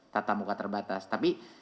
tata muka terbatas tapi